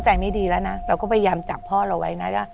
ไม่ดีแล้วนะเราก็พยายามจับพ่อเราไว้นะ